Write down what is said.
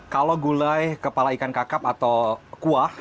kalau gulai kepala ikan kakap atau kuah